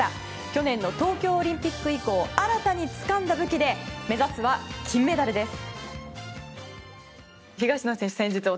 去年の東京オリンピック以降新たにつかんだ武器で目指すは金メダルです。